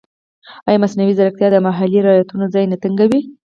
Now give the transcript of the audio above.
ایا مصنوعي ځیرکتیا د محلي روایتونو ځای نه تنګوي؟